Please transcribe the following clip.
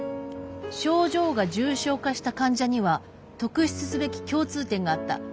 「症状が重症化した患者には特筆すべき共通点があった。